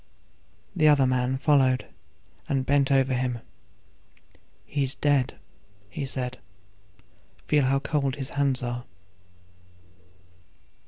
The other man followed, and bent over him. "He's dead," he said; "feel how cold his hands are."